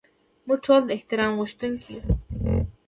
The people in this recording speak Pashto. موږ ټول د احترام غوښتونکي یو.